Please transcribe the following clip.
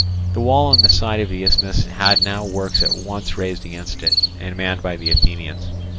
The wall on the side of the isthmus had now works at once raised against it, and manned by the Athenians.